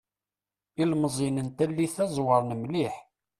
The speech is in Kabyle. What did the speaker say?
Ilmeẓiyen n tallit-a ẓewṛen mliḥ.